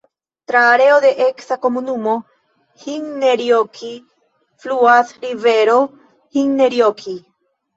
Tra areo de eksa komunumo Hinnerjoki fluas rivero Hinnerjoki.